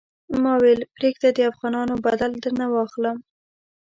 ما ویل پرېږده د افغانانو بدل درنه واخلم.